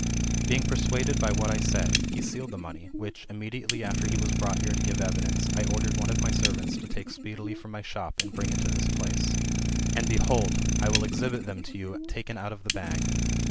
Being persuaded by what I said, he sealed the money, which. 176 THB MSTAliORPHOSIS, OR immediately after he was brought here to give evidence^ I ordered one of my servants to taJce speedily from my shop, and bring it to this place. And behold, I will exhibit them to you taken out of the bag.